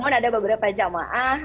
namun ada beberapa jemaah